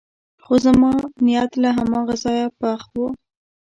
خو زما نیت له هماغه ځایه پخ و.